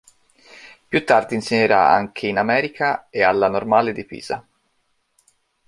Più tardi insegnerà anche in America e alla Normale di Pisa.